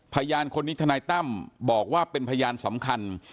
พยานคนนี้ทนายตั้มบอกว่าเป็นพยานสำคัญ